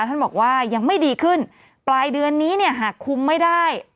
ท่านบอกว่ายังไม่ดีขึ้นปลายเดือนนี้เนี่ยหากคุมไม่ได้